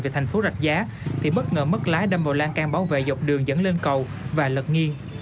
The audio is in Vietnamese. về thành phố rạch giá thì bất ngờ mất lái đâm vào lan can bảo vệ dọc đường dẫn lên cầu và lật nghiêng